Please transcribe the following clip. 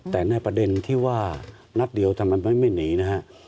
แต่ในประเด็นที่ว่านัดเดียวทำไมไม่หนีนะฮะ